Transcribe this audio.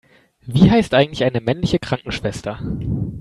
Wie heißt eigentlich eine männliche Krankenschwester?